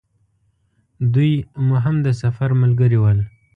دوی مو هم د سفر ملګري ول.